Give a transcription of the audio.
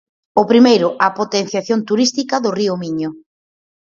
O primeiro, a potenciación turística do río Miño.